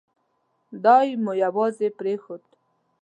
دای مو یوازې پرېښود.